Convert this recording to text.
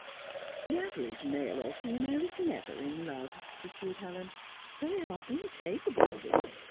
"The average male or female is never in love," pursued Helen. "They are incapable of it.